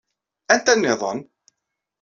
Anta nniḍen?